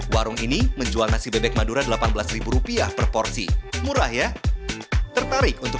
warung ini menjual nasi bebek madura delapan belas rupiah per porsi murah ya tertarik untuk